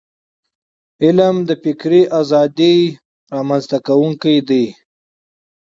علم د فکري ازادی رامنځته کونکی دی.